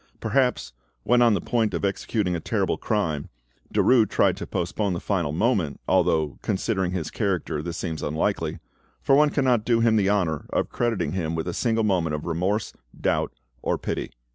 Perhaps, when on the point of executing a terrible crime, Derues tried to postpone the fatal moment, although, considering his character, this seems unlikely, for one cannot do him the honour of crediting him with a single moment of remorse, doubt, or pity.